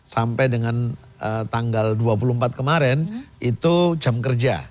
sampai dengan tanggal dua puluh empat kemarin itu jam kerja